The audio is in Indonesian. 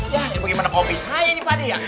ya ini bagaimana kopi saya pak d ya